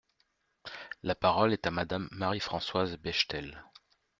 La parole est à Madame Marie-Françoise Bechtel.